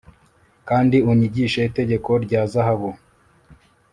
kandi unyigishe itegeko rya zahabu